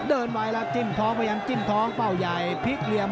เดินไว้แล้วจิ้มท้องแวนจิ้มท้องเป้าใหญ่พลิกเหลี่ยม